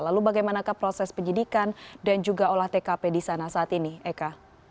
lalu bagaimanakah proses penyidikan dan juga olah tkp di sana saat ini eka